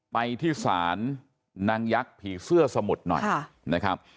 ไปที่ศาลนางยักษ์ผีเสื้อสมุทรหน่อยนะครับ